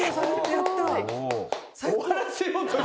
やったー！